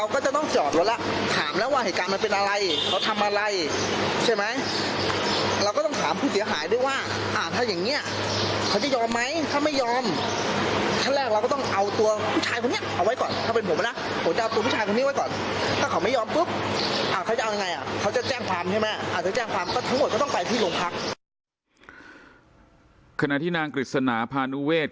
ขณะที่นางกฤษณาพานุเวศ